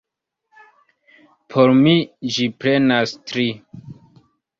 Por mi ĝi prenas tri.